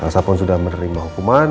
elsa pun sudah menerima hukuman